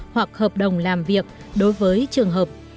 hoặc hợp đồng làm việc đối với trường hợp